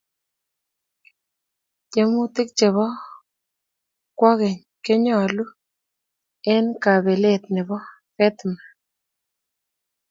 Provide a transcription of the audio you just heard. tiemutik chebo kwekeny konyoluu eng kabelet nebo fetma